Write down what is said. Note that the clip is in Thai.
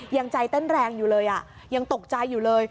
ยังใจเต้นแรงอยู่เลยยังตกใจอยู่เลย